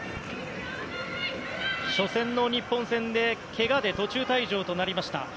初戦の日本戦でけがで途中退場となりました。